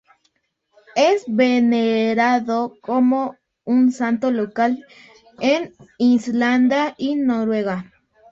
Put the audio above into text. Es venerado como un santo local en Islandia y Noruega.